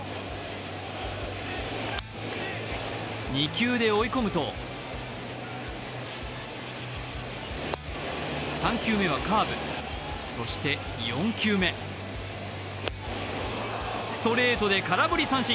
２球で追い込むと３球目はカーブ、そして４球目ストレートで空振り三振。